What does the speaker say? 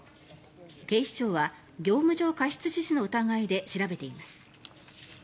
警視庁は業務上過失致死の疑いで調べています。